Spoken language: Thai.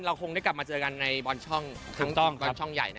คงได้กลับมาเจอกันในบอลช่องใหญ่นะ